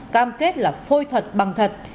cam kết là phôi thật băng thật